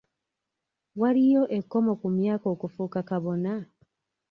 Waliyo ekkomo ku myaka okufuuka kabona?